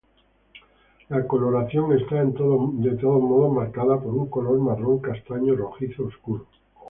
La coloración está de todos modos marcada por un color marrón castaño rojizo oscuro.